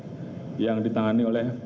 saya punya daftar yang sangat tinggi